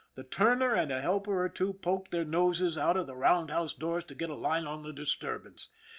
The turner and a helper or two poked their noses out of the round house doors to get a line on the disturbance.